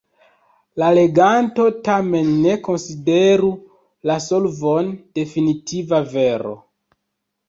La leganto tamen ne konsideru la solvon definitiva vero.